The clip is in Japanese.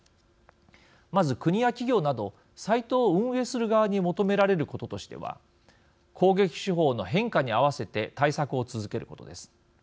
まず、国や企業などサイトを運営する側に求められることとしては攻撃手法の変化に合わせて対策を続けることです。